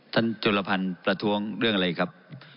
จุลพันธ์ประท้วงเรื่องอะไรครับ